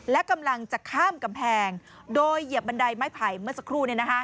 และกำลังจะข้ามกำแพงโดยเหยียบบันไดไม้ไผ่เมื่อสักครู่